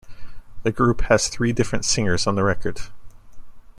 The group has three different singers on the record.